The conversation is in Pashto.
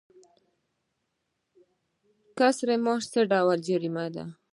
کسر معاش څه ډول جریمه ده؟